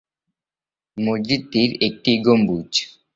মসজিদটির একটি গম্বুজ।